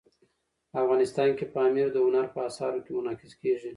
افغانستان کې پامیر د هنر په اثار کې منعکس کېږي.